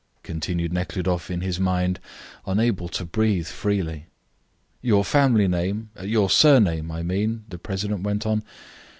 continued Nekhludoff, in his mind, unable to breathe freely. "Your family name your surname, I mean?" the president went on.